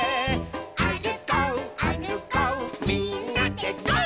「あるこうあるこうみんなでゴー！」